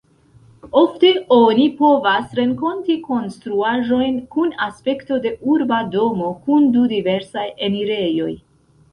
Ofte oni povas renkonti konstruaĵojn kun aspekto de urba domo, kun du diversaj enirejoj.